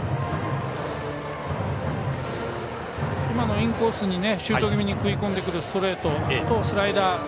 今のインコースにシュート気味に食い込んでくるストレートとスライダー。